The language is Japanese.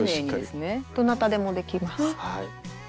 どなたでもできます。